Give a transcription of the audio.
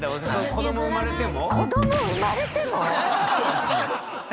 子ども生まれても？